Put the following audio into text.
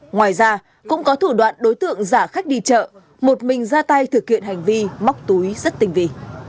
ngoài ra cũng có thủ đoạn đối tượng giả khách đi chợ một mình ra tay thực hiện hành vi móc túi rất tinh vị